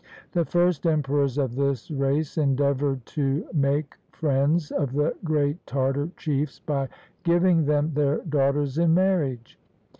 The first emperors of this race endeavored to make friends of the great Tartar chiefs by giving them their daughters in marriage.